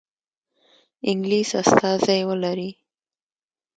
انګلیس استازی ولري.